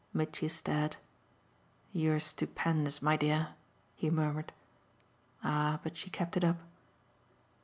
Mitchy stared. "You're stupendous, my dear!" he murmured. Ah but she kept it up.